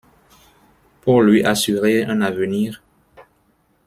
Pour lui assurer un avenir ?